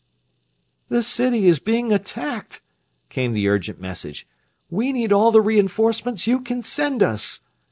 "The city is being attacked!" came the urgent message. "We need all the reinforcements you can send us!"